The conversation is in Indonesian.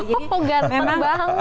oh ganteng banget